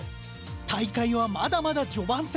大会はまだまだ序盤戦。